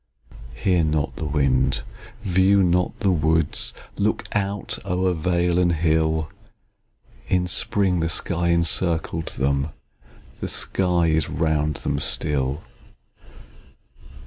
Hear not the wind, view not the woods; Look out o'er vale and hill In spring, the sky encircled them, The sky is round them still.